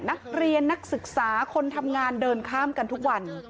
นักศึกษาคนทำงานเดินข้ามกันทุกวัน